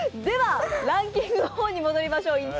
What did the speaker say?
では、ランキングに戻りましょう。